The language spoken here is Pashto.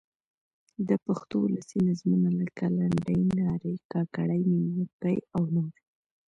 د پښتو اولسي نظمونه؛ لکه: لنډۍ، نارې، کاکړۍ، نیمکۍ او نور.